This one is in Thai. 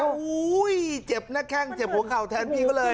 โอ้โหเจ็บหน้าแข้งเจ็บหัวเข่าแทนพี่เขาเลย